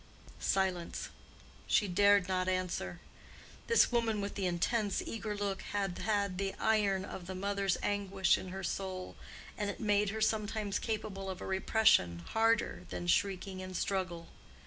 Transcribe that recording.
Silence. She dared not answer. This woman with the intense, eager look had had the iron of the mother's anguish in her soul, and it had made her sometimes capable of a repression harder than shrieking and struggle.